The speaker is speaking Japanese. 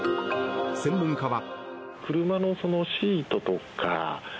専門家は。